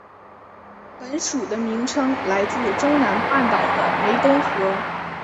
本属的名称来自中南半岛的湄公河。